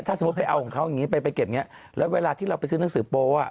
ถ้าสมมติไปเอาของเขาไปเก็บอย่างเนี้ย